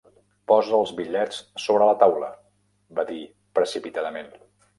"Posa els bitllets sobre la taula", va dir precipitadament.